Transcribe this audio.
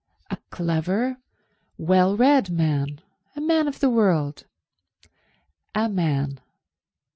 A clever, well read man. A man of the world. A man.